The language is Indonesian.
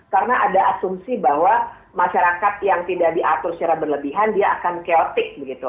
karena ada asumsi bahwa masyarakat yang tidak diatur secara berlebihan dia akan keotik begitu